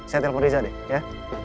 saya telpon riza deh ya